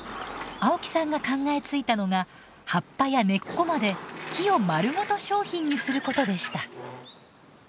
青木さんが考えついたのが葉っぱや根っこまで木をまるごと商品にすることでした。